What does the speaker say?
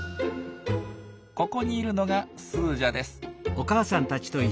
ここにいるのがスージャです。